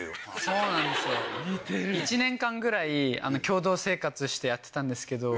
そうなんですよ１年間ぐらい共同生活してやってたんですけど。